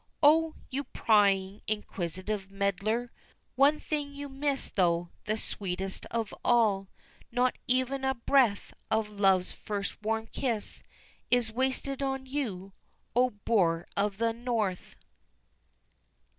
_ O, you prying, inquisitive meddler! One thing you miss though the sweetest of all Not even a breath of love's first warm kiss Is wasted on you O boor of the North!